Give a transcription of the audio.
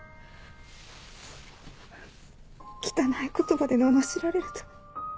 汚い言葉でののしられると。